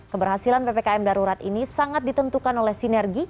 keberhasilan ppkm darurat ini sangat ditentukan oleh sinergi